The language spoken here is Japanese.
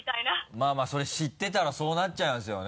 まぁまぁそれ知ってたらそうなっちゃいますよね。